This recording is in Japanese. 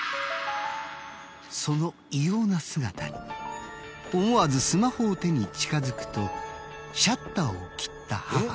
その異様な姿に思わずスマホを手に近づくとシャッターを切った母。